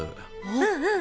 うんうん。